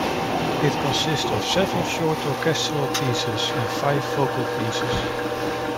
It consists of seven short orchestral pieces, and five vocal pieces.